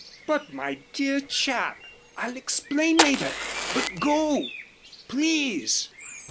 "But, my dear chap " "I'll explain later. But go please!"